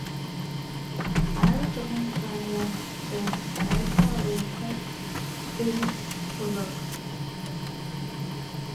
Another second son was the writer Walter Herries Pollock.